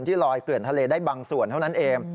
ลอยเกลื่อนทะเลได้บางส่วนเท่านั้นเอง